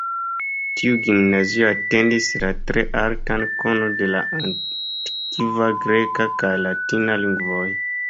Tiu gimnazio atendis la tre altan konon de la antikva greka kaj latina lingvoj.